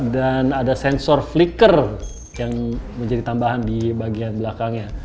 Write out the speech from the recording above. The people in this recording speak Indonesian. dan ada sensor flicker yang menjadi tambahan di bagian belakangnya